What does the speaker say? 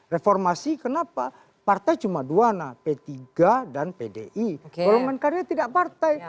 reformasi kenapa partai cuma dua p tiga dan pdi golongan karirnya tidak partai